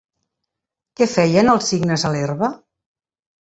Què feien els cignes a l'herba?